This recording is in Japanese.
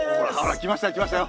来ましたよ来ましたよ。